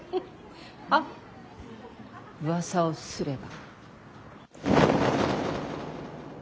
あっうわさをすれば。